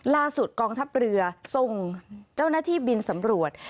กองทัพเรือส่งเจ้าหน้าที่บินสำรวจ